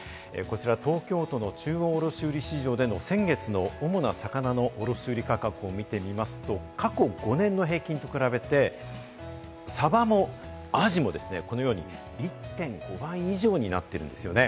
こちら、東京都の中央卸売市場での先月の主な魚の卸売価格を見てみますと、過去５年の平均と比べて、サバもアジもですね、このように１．５倍以上になっているんですよね。